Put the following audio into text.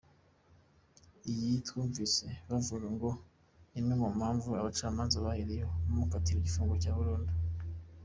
Iyi «twumvise bamuvuga» ngo ni imwe mu mpamvu abacamanza bahereyeho bamukatira gufungwa burundu.